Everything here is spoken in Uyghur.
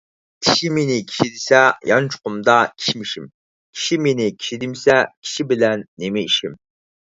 كىشى مېنى كىشى دېسە، يانچۇقۇمدا كىشمىشىم. كىشى مېنى كىشى دېمىسە، كىشى بىلەن نېمە ئىشىم.